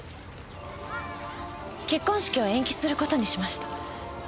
結婚式を延期する事にしました。